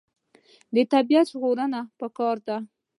د طبیعت ژغورنه پکار ده.